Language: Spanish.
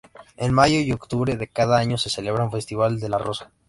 En mayo y octubre de cada año se celebra un "Festival de la rosa".